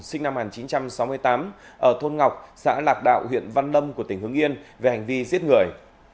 sinh năm một nghìn chín trăm sáu mươi tám ở thôn ngọc xã lạc đạo huyện văn lâm của tỉnh hưng yên về hành vi giết người